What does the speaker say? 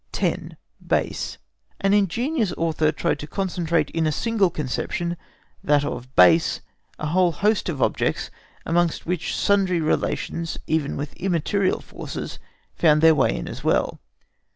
10. BASE. An ingenious author tried to concentrate in a single conception, that of a BASE, a whole host of objects amongst which sundry relations even with immaterial forces found their way in as well.